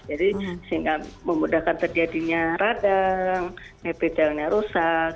jadi sehingga memudahkan terjadinya radang netitalnya rusak